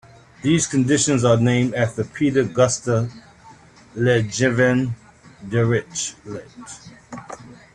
These conditions are named after Peter Gustav Lejeune Dirichlet.